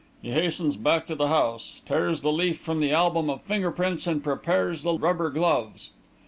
He hastens back to the house, tears the leaf from the album of finger prints and prepares the rubber gloves.